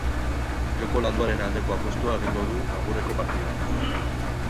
Joko landuaren aldeko apustua egingo du agurreko partidan.